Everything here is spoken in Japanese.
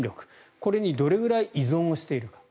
これにどれくらい依存しているか。